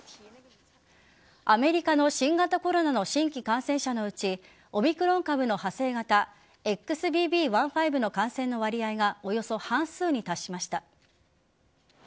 アメリカの新型コロナの新規感染者のうちオミクロン株の派生型ＸＢＢ．１．５の感染の割合がおよそ半数に達しました。